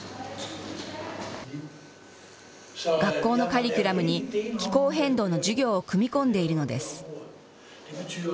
学校のカリキュラムに気候変動の授業を組み込んでいるのです。